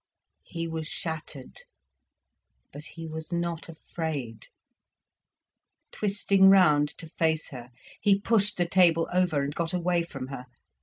He was shattered, but he was not afraid. Twisting round to face her he pushed the table over and got away from her.